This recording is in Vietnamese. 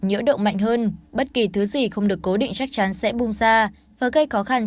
nhỡ động không khí mạnh hơn bất kỳ thứ gì không được cố định chắc chắn sẽ bung ra và gây khó khăn